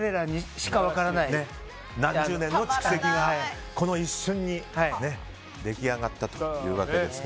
何十年の蓄積がこの一瞬に出来上がったというわけですが。